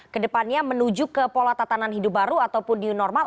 kedepannya menuju ke pola tatanan hidup baru ataupun new normal